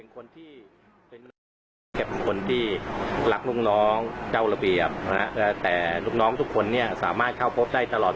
ก็เป็นคนเรียบง่ายครับ